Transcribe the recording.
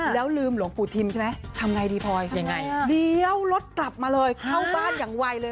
แล้วลืมหลวงปู่ทิมใช่ไหมทำไงดีพลอยยังไงเลี้ยวรถกลับมาเลยเข้าบ้านอย่างไวเลย